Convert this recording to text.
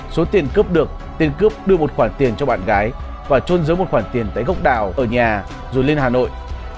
số tiền cướp được tiền cướp đưa một khoản tiền cho bạn gái và trôn giữ một khoản tiền tại gốc đảo ở nhà rồi lên hà nội